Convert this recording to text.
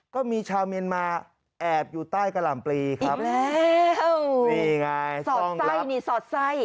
ก็มีชาวเมียนมาแอบอยู่ใต้กะหล่ำปลีครับแล้วนี่ไงสอดไส้นี่สอดไส้